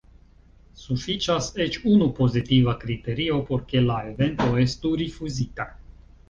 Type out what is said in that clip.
Sufiĉas eĉ unu pozitiva kriterio por ke la evento estu rifuzita.